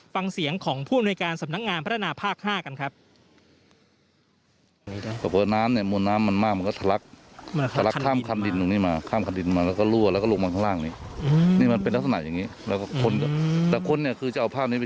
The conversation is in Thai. ฟังเสียงของผู้อำนวยการสำนักงานพัฒนาภาค๕กันครับ